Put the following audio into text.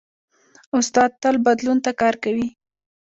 استاد تل بدلون ته کار کوي.